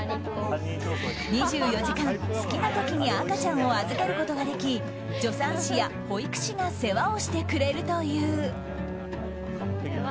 ２４時間、好きな時に赤ちゃんを預けることができ助産師や保育士が世話をしてくれるという。